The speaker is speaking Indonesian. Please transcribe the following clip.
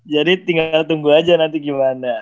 jadi tinggal tunggu aja nanti gimana